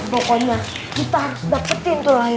pokoknya kita harus dapetin tuh laylatul qadar ya